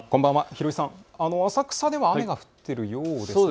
平井さん、浅草では雨が降っているようですね。